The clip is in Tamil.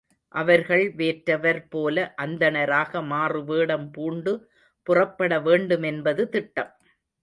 அவர்கள் வேற்றவர் போல அந்தணராக மாறுவேடம் பூண்டு புறப்பட வேண்டுமென்பது திட்டம்.